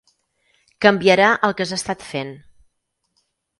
Canviarà el que has estat fent.